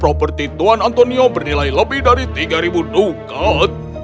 properti tuan antonio bernilai lebih dari tiga dukat